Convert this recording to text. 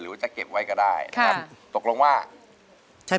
หรือว่าจะเก็บไว้ก็ได้นะครับ